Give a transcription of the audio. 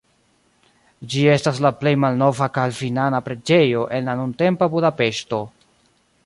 Ĝi estas la plej malnova kalvinana preĝejo en la nuntempa Budapeŝto.